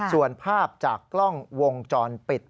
ส่วนภาพจากกล้องวงจรปิด